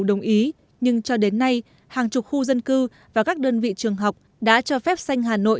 đồng ý nhưng cho đến nay hàng chục khu dân cư và các đơn vị trường học đã cho phép xanh hà nội